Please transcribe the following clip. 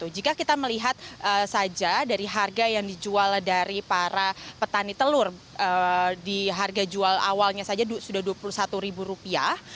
jika kita melihat saja dari harga yang dijual dari para petani telur di harga jual awalnya saja sudah dua puluh satu ribu rupiah